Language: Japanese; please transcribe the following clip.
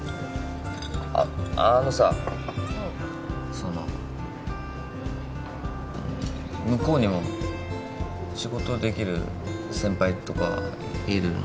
その向こうにも仕事できる先輩とかいるの？